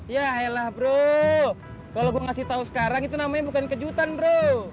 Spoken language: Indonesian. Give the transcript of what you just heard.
ya hailah bro kalau gue ngasih tahu sekarang itu namanya bukan kejutan bro